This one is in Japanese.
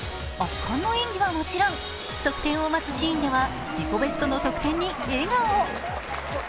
圧巻の演技はもちろん、得点を待つシーンでは自己ベストの得点に笑顔。